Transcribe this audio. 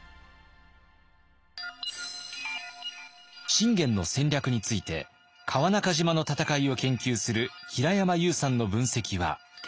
信玄の戦略について川中島の戦いを研究する平山優さんの分析は。